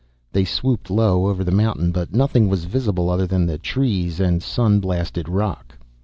They swooped low over the mountain, but nothing was visible other than the trees and sun blasted rock.